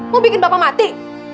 mau bikin bapak mati